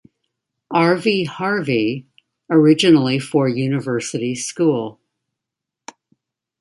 R. V. Harvey originally for University School.